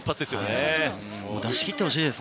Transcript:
出しきってほしいです